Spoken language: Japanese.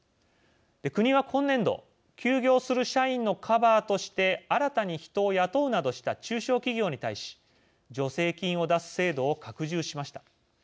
国は今年度休業する社員のカバーとして新たに人を雇うなどした中小企業に対し助成金を出す制度を拡充しました。